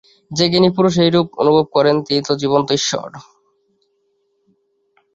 যে জ্ঞানী পুরুষ এইরূপ অনুভব করেন, তিনি তো জীবন্ত ঈশ্বর।